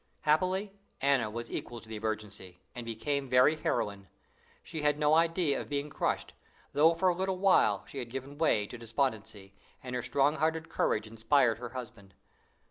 Happily, Anna was equal to the emergency, and became a very heroine. She had no idea of being crushed, although for a little while she had given way to despondency, and her strong hearted courage inspired her husband.